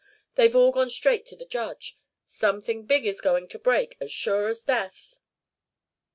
They've all gone straight to the Judge. Something big is going to break, as sure as death."